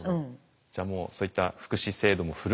じゃあもうそういった福祉制度もフル活用して。